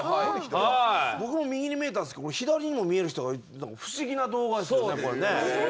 僕も右に見えたんですけど左にも見える人がいて不思議な動画ですね。